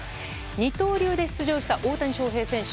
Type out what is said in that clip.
二刀流で出場した大谷翔平選手。